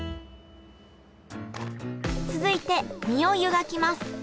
続いて身を湯がきます。